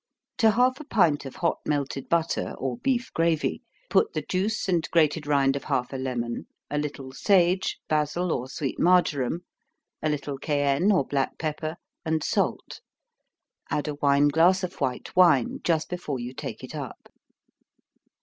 _ To half a pint of hot melted butter, or beef gravy, put the juice and grated rind of half a lemon, a little sage, basil, or sweet marjoram, a little cayenne, or black pepper, and salt. Add a wine glass of white wine just before you take it up.